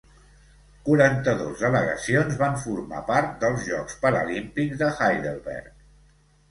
Quaranta-dos delegacions van formar part dels Jocs Paralímpics de Heidelberg.